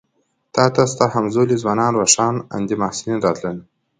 تا ته ستا همزولي ځوانان روښان اندي محصلین راتلل.